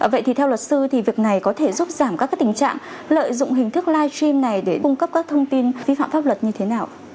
vậy thì theo luật sư thì việc này có thể giúp giảm các tình trạng lợi dụng hình thức live stream này để cung cấp các thông tin vi phạm pháp luật như thế nào